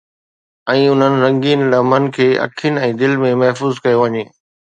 ۽ انهن رنگين لمحن کي اکين ۽ دل ۾ محفوظ ڪيو وڃي.